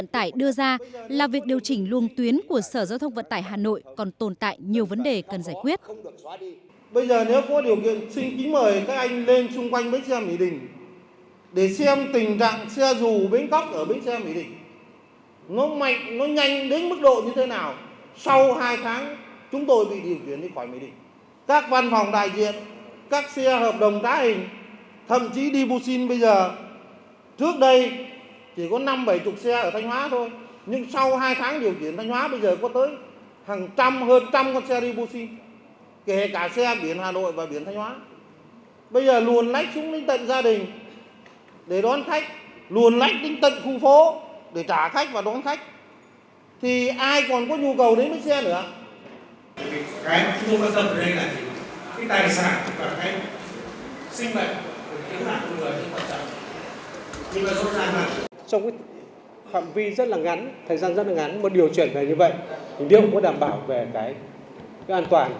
tại cuộc họp vấn đề các doanh nghiệp vận tải đưa ra là việc điều chỉnh luồng tuyến của sở giao thông vận tải hà nội còn tồn tại nhiều vấn đề cần giải quyết